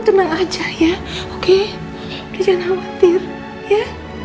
tenang aja ya oke jangan khawatir ya